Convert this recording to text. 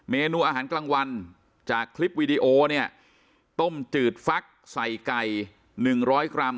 เมนูอาหารกลางวันจากคลิปวีดีโอเนี่ยต้มจืดฟักใส่ไก่๑๐๐กรัม